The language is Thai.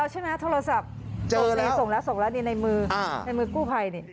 ส่งแล้วส่งแล้วในมือในมือกู้ภัยนี่